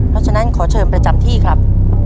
เพราะฉะนั้นขอเชิญประจำที่ครับ